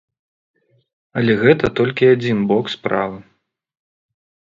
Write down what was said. Але гэта толькі адзін бок справы.